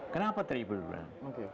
kenapa terjadi pendurunan